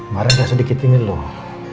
barangnya sedikit ini loh